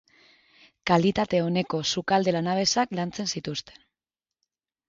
Kalitate oneko sukalde lanabesak lantzen zituzten.